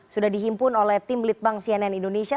sudah dihimpun oleh tim litbang cnn indonesia